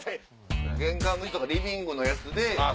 玄関口とかリビングのやつで。